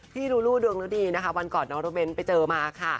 ลูลูดวงฤดีนะคะวันก่อนน้องรถเบ้นไปเจอมาค่ะ